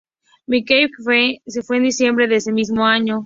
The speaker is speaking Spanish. Mickey Keen se fue en diciembre de ese mismo año.